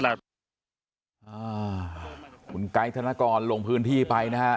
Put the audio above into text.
อ่าคุณกายธนกรลงพื้นพี่ไปนะฮะ